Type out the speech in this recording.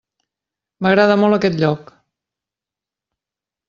M'agrada molt aquest lloc.